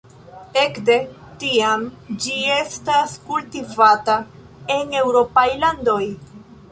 Ekde tiam ĝi estas kultivata en eŭropaj landoj.